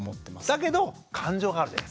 だけど感情があるじゃないですか。